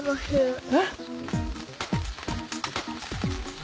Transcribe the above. えっ？